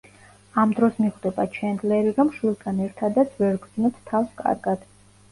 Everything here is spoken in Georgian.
ამ დროს მიხვდება ჩენდლერი, რომ შვილთან ერთადაც ვერ გრძნობს თავს კარგად.